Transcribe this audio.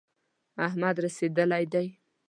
احمد رسېدلی دی.